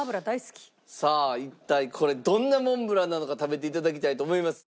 さあ一体これどんなモンブランなのか食べて頂きたいと思います。